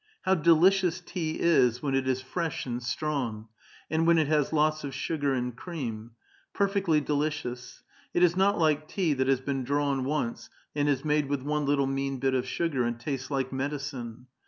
*' How delicious tea is when it is fresh and strong, and when it has lots of sugar and cream ! Perfectly delicious ! It is not like tea that has been drawn once, and is made with one little mean bit of sugar, and tastes like medicine.